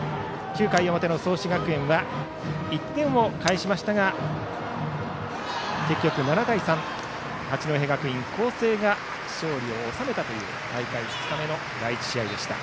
９回表の創志学園は１点を返しましたが結局、７対３で八戸学院光星が勝利を収めたという大会２日目の第１試合でした。